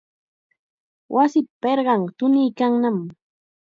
Wasipa pirqanqa tuniykannam.